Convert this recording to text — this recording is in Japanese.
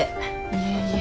いえいえ。